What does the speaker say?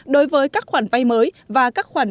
đối với các khoản vay mới và các khoản tiền tệ